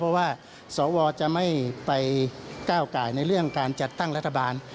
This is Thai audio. เพราะว่าสวจะไม่ไปก้าวไก่ในเรื่องการจัดตั้งรัฐบาล